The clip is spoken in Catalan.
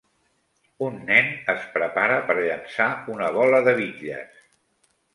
Un nen es prepara per llançar una bola de bitlles